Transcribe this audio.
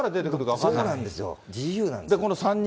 そうなんですよ、自由なんです。